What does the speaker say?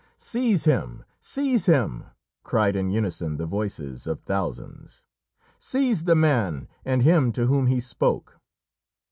"Seize him! seize him!" cried in unison the voices of thousands. "Seize the man, and him to whom he spoke!"